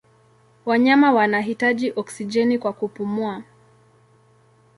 Wanyama wanahitaji oksijeni kwa kupumua.